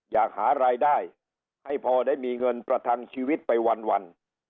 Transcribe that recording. อยากหารายได้ให้พอได้มีเงินประทังชีวิตไปวัน